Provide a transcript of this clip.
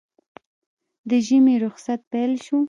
د ژمي روخصت پېل شو